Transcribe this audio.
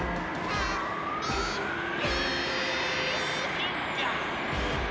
ぴょんぴょん！